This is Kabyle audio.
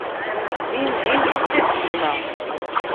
Dindin tusa-d yemma.